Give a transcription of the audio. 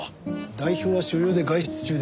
代表は所用で外出中ですが。